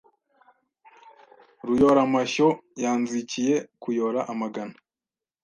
Ruyoramashyo yanzikiye kuyora amagana